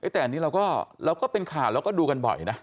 แต่อันนี้เราก็เป็นข่าวเราก็ดูกันบ่อยนะ